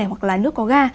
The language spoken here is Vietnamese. hoặc là nước có ga